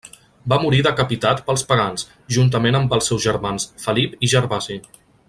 Va morir decapitat pels pagans, juntament amb els seus germans Felip i Gervasi.